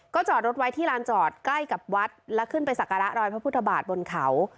จอดรถไว้ที่ลานจอดใกล้กับวัดและขึ้นไปสักการะรอยพระพุทธบาทบนเขา